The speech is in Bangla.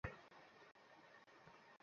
ইশ্বরের সাথে এর কোন সম্পর্ক নেই।